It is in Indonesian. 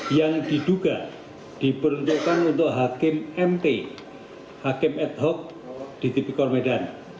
yang diduga diperuntukkan untuk hakim mt hakim ad hoc di tipikor medan